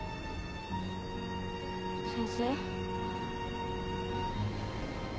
先生。